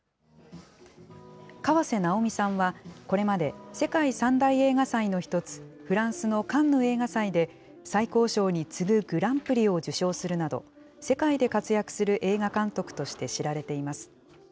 河瀬直美さんはこれまで世界３大映画祭の一つ、フランスのカンヌ映画祭で、最高賞に次ぐグランプリを受賞するなど、世界で活躍する映画監督として知られています。